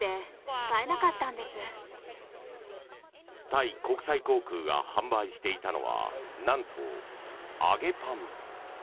タイ国際航空が販売していたのはなんと、揚げパン。